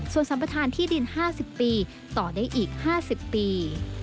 ส่วนสัมประธานที่ดิน๕๐ปีต่อได้อีก๕๐ปี